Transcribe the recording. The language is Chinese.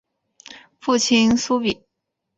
父亲苏玭。